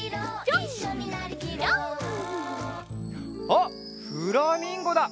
あっフラミンゴだ！